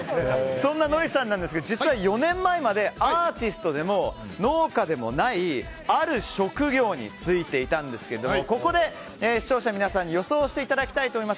そんなノリさんなんですが実は４年前までアーティストでも農家でもないある職業に就いていたんですけどここで視聴者の皆さんに予想していただきたいと思います。